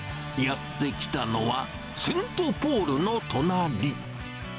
やって来たのは、セントポールの隣り。